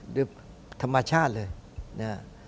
ด้วยธรรมชาติเลยนะ